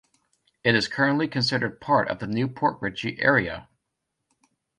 It is currently considered part of the New Port Richey area.